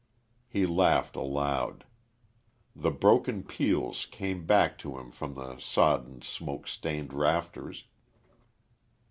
He laughed, aloud. The broken peals came back to him from the sodden, smoke stained rafters.